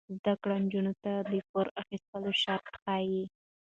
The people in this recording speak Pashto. زده کړه نجونو ته د پور اخیستلو شرایط ښيي.